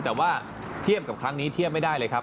แต่ว่าเทียบกับครั้งนี้เทียบไม่ได้เลยครับ